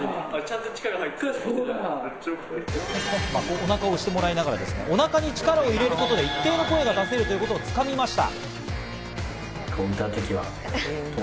お腹を押してもらいながら、お腹に力を入れることで一定の声が出せるということをつかみました。